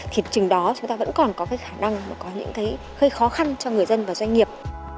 thì quá trình đó chúng ta vẫn còn có khả năng mà có những cái hơi khó khăn cho người dân và doanh nghiệp